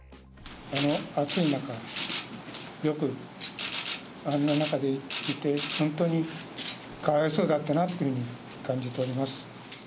暑い中、よくあんな中でいて、本当にかわいそうだったなというふうに感じております。